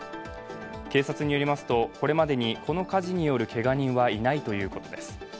警察によりますとこれまでにこの火事によるけが人はいないということです。